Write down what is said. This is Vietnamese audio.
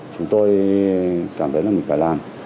chúng tôi cảm thấy là mình phải làm